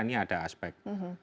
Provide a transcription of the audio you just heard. ini ada aspek